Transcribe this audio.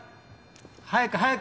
早く早く！